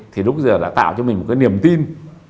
thì lúc giờ đã tạo cho mình một cái niềm tin